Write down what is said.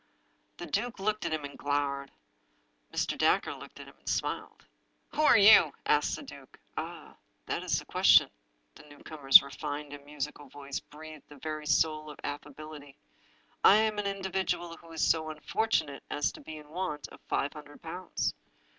The duke looked at him and glowered. Mr. Dacre looked at him and smiled. " Who are you ?" asked the duke. " Ah — ^that is the question !" The newcomer's refined and musical voice breathed the very soul of affability. " I am an individual who is so unfortunate as to be in want of five hundred pounds."